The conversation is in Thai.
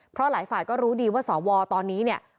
เพราะหลายฝ่ายก็รู้ดีว่าสวตอนนี้เนี่ย